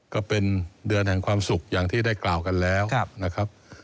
ก็เป็นเดือนแห่งความสุขอย่างที่ได้กล่าวกันแล้วนะครับ